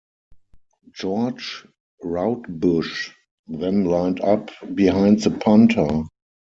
George Roudebush then lined up behind the punter.